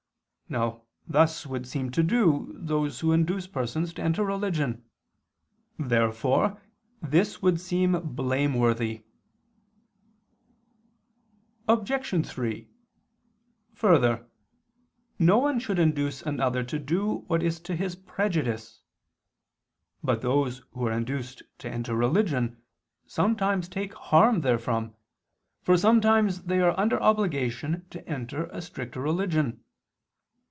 Now thus would seem to do those who induce persons to enter religion. Therefore this would seem blameworthy. Obj. 3: Further, no one should induce another to do what is to his prejudice. But those who are induced to enter religion, sometimes take harm therefrom, for sometimes they are under obligation to enter a stricter religion.